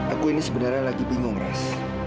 aku ini sebenarnya lagi bingung res